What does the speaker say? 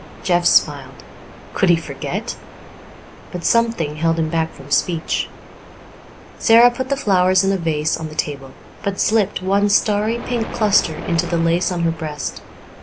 Jeff smiled. Could he forget? But something held him back from speech. Sara put the flowers in a vase on the table, but slipped one starry pink cluster into the lace on her breast.